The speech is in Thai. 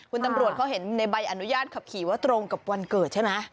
คุณตำรวจเขาเห็นในใบอนุญาตขับขี่ว่าตรงกับวันเกิดใช่ไหม